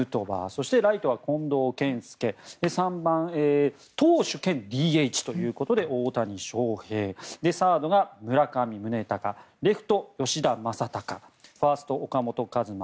そして、ライトは近藤健介３番、投手兼ＤＨということで大谷翔平サードが村上宗隆レフト、吉田正尚ファースト、岡本和真